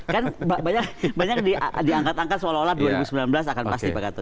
kan banyak diangkat angkat seolah olah dua ribu sembilan belas akan pasti pak gatot